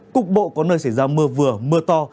cục bộ có nơi xảy ra mưa vừa mưa to